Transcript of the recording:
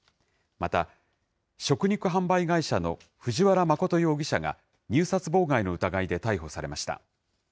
また、食肉販売会社の藤原誠容疑者が、入札妨害の疑いで逮捕されました。